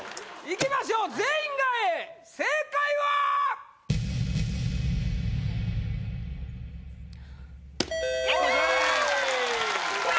いきましょう全員がＡ正解はやった！